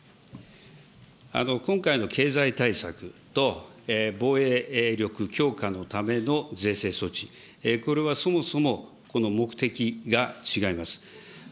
今回の経済対策と防衛力強化のための税制措置、これはそもそも目的が違います。